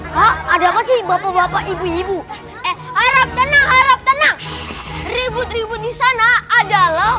pak ada apa sih bapak bapak ibu ibu eh harap tenang harap tenang ribut ribut di sana adalah